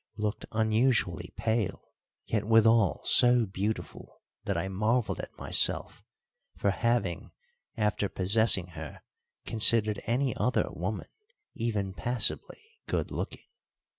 looked unusually pale, yet withal so beautiful that I marvelled at myself for having, after possessing her, considered any other woman even passably good looking.